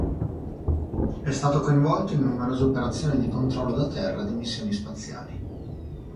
È stato coinvolto in numerose operazioni di controllo da terra di missioni spaziali.